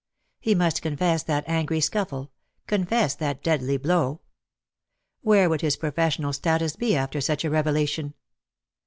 He must confess that angry scuffle — confess that deadly blow. Where would his professional status be after such a revelation